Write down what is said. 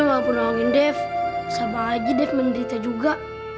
lagi ya walaupun nolongin dev sama lagi dev menderita juga